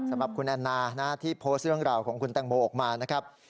สำหรับคุณแอนนาที่โพสต์เรื่องราวของคุณแตงโมออกมานะครับ